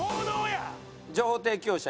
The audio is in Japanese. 情報提供者